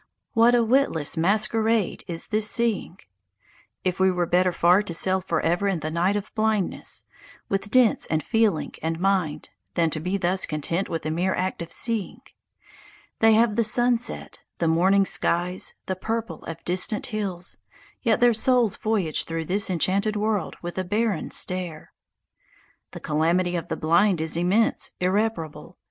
What a witless masquerade is this seeing! It were better far to sail forever in the night of blindness, with sense and feeling and mind, than to be thus content with the mere act of seeing. They have the sunset, the morning skies, the purple of distant hills, yet their souls voyage through this enchanted world with a barren stare. The calamity of the blind is immense, irreparable.